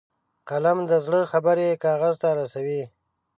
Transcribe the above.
قلم د زړه خبرې کاغذ ته رسوي